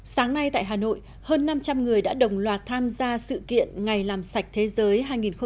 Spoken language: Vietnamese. sáng nay tại hà nội hơn năm trăm linh người đã đồng loạt tham gia sự kiện ngày làm sạch thế giới hai nghìn một mươi chín